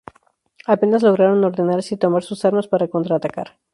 Apenas lograron ordenarse y tomar sus armas para contraatacar.